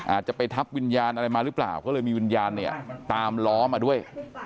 อาจจะไปทับวิญญาณอะไรมาหรือเปล่าก็เลยมีวิญญาณเนี่ยตามล้อมาด้วย